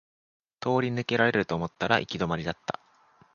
通り抜けられると思ったら行き止まりだった